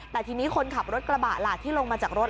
แต่ทีนี้คนขับรถกระบะล่ะที่ลงมาจากรถ